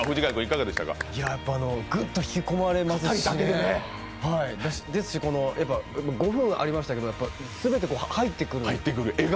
グッと引き込まれますし５分ありましたけと全て、入ってくる。